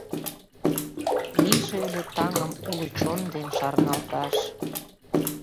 Лийже ыле таҥым уло чон ден шарналташ.